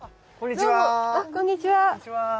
あっこんにちは。